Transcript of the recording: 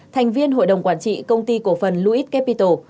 thành viên hội đồng quản trị công ty cổ phần luis capital